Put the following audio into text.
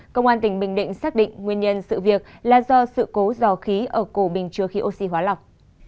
công an tỉnh bình định xác định nguyên nhân sự việc là do sự cố dò khí ở cổ bình chứa khí oxy hóa lỏng